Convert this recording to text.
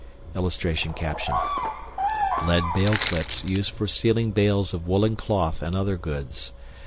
[Illustration: LEAD BALE CLIPS USED FOR SEALING BALES OF WOOLEN CLOTH AND OTHER GOODS.